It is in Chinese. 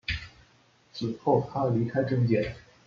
此后他离开政界。